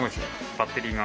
バッテリーが。